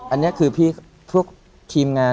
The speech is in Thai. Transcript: อันนี้คือพี่พวกทีมงาน